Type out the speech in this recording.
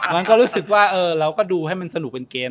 มันก็รู้สึกว่าเราก็ดูให้มันสนุกเป็นเกม